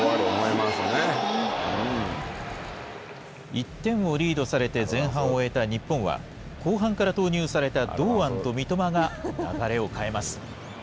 １点をリードされて前半を終えた日本は、後半から投入された堂安と三笘が流れを変えます。